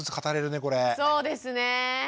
そうですね。